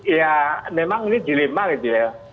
ya memang ini dilema gitu ya